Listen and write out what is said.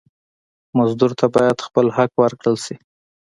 مزدور ته باید خپل حق ورکړل شي.